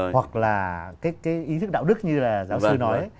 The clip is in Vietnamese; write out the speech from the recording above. hoặc là cái ý thức đạo đức như là giáo sư nói